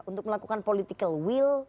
untuk melakukan political will